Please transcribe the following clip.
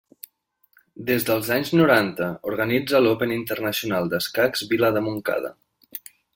Des dels anys noranta organitza l'Open Internacional d'Escacs Vila de Montcada.